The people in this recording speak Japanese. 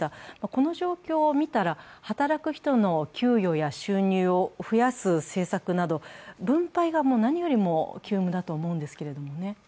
この状況を見たら、働く人の給与や収入を増やす政策など分配が何よりも急務だと思うんですけれどもね。